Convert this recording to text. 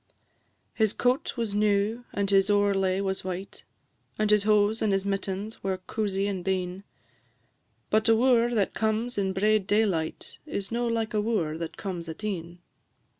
His coat was new, and his owrelay was white, And his hose and his mittens were coozy and bein; But a wooer that comes in braid daylight Is no like a wooer that comes at e'en.